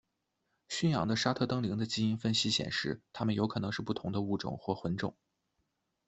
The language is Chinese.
驯养的沙特瞪羚的基因分析显示它们有可能是不同的物种或混种。